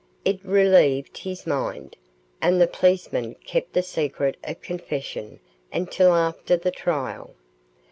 It relieved his mind, and the policeman kept the secret of confession until after the trial.